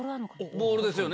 ボールですよね